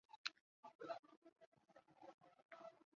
张茜是前香港亚洲电视艺员颜子菲的表姑姑。